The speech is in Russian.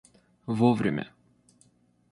вовремя